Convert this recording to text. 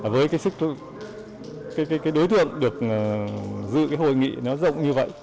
với cái đối tượng được dự hội nghị nó rộng như vậy